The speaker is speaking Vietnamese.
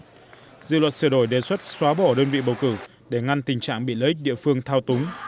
tuy nhiên dự luật sửa đổi đề xuất xóa bỏ đơn vị bầu cử để ngăn tình trạng bị lấy địa phương thao túng